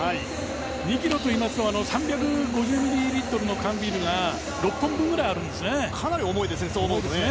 ２ｋｇと言いますと３５０ｍｌの缶ビールが６本分ぐらいあるんですね。